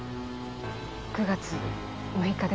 ９月６日です。